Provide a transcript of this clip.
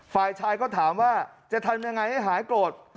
ฝ่ายชายก็ถามว่าจะทำยังไงให้หายโกรธ